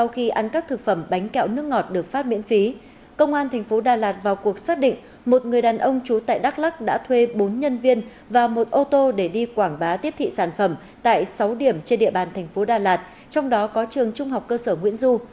khi ăn các thực phẩm bánh kẹo nước ngọt được phát miễn phí công an thành phố đà lạt vào cuộc xác định một người đàn ông trú tại đắk lắc đã thuê bốn nhân viên và một ô tô để đi quảng bá tiếp thị sản phẩm tại sáu điểm trên địa bàn thành phố đà lạt trong đó có trường trung học cơ sở nguyễn du